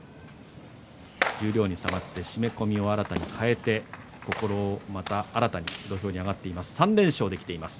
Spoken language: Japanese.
十両に下がって締め込みを新たに替えて心もまた新たに土俵に上がっています。